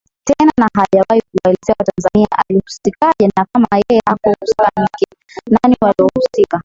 tena na hajawahi kuwaeleza Watanzania alihusikaje na kama yeye hakuhusika ni kina nani waliohusika